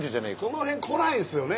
この辺来ないですよね